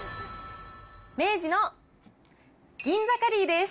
明治の銀座カリーです。